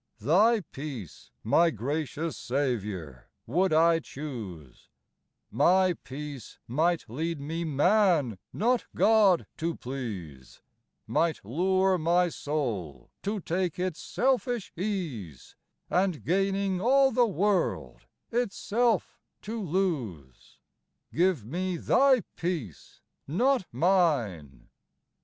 Thy peace, my gracious Saviour, would I choose, My peace might lead me man, not God, to please, Might lure my soul to take its selfish ease, And, gaining all the world, itself to lose, Give me Thy peace, not mine.